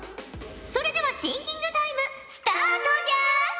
それではシンキングタイムスタートじゃ！